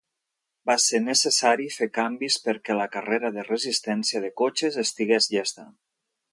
Va ser necessari fer canvis per què la carrera de resistència de cotxes estigués llesta.